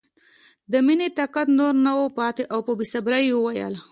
د مینې طاقت نور نه و پاتې او په بې صبرۍ یې وویل